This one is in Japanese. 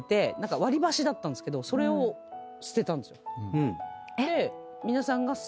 割り箸だったんですけどそれを捨てたんですよ。